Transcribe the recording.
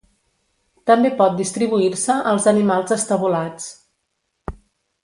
També pot distribuir-se als animals estabulats.